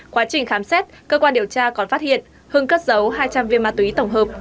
quá trình khám xét cơ quan điều tra còn phát hiện hưng cất giấu hai trăm linh viên ma túy tổng hợp